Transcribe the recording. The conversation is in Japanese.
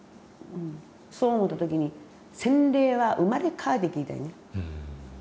そう思うた時に洗礼は生まれ変わりって聞いたんやね。